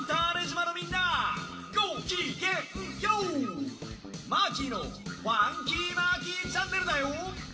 マーキーの「ファンキーマーキーチャンネル」だよ！